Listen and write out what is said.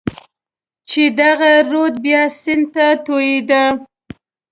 چې دغه رود بیا سیند ته توېېده.